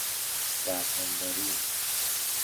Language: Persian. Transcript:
در اندرون